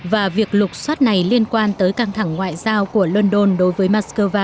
và việc lục xoát này liên quan tới căng thẳng ngoại giao của london đối với moscow